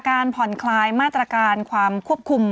การผ่อนคลายมาตรการความควบคุม